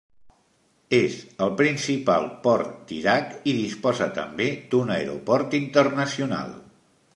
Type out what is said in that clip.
És el principal port d'Iraq i disposa també d'un aeroport internacional.